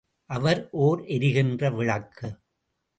அவர் ஓர் எரிகின்ற விளக்கு!